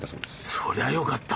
そりゃ良かった。